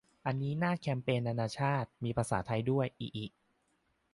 อันนี้หน้าแคมเปญนานาชาติ มีภาษาไทยด้วย อิอิ